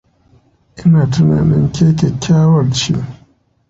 Ina tunanin ke kyakkyawar ce.